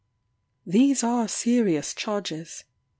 These are serious charges.